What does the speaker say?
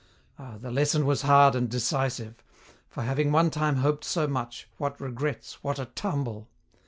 Ah, the lesson was hard and decisive. For having one time hoped so much, what regrets, what a tumble!